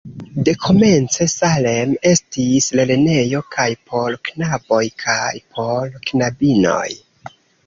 Dekomence Salem estis lernejo kaj por knaboj kaj por knabinoj.